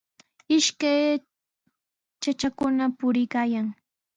Ishkay chachakuna puriykaayan.